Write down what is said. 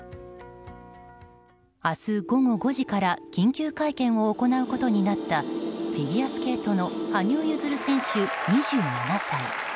明日午後５時から緊急会見を行うことになったフィギュアスケートの羽生結弦選手、２７歳。